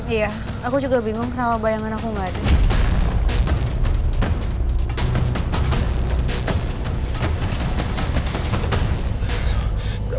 iya aku juga bingung kenapa bayangan aku gak ada